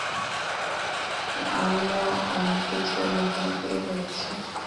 আমিও অনেক কিছুর মুখোমুখি হয়েছি।